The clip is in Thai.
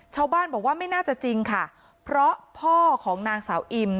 ชาวบ้านบอกว่าไม่น่าจะจริงค่ะเพราะพ่อของนางสาวอิม